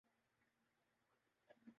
میں دوسروں کے احساسات سے لا تعلق رہتا ہوں